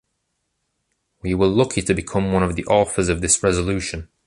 We were lucky to become one of the authors of this resolution.